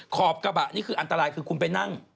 ขอบกระบะนี่คืออันตรายคือคุณไปนั่ง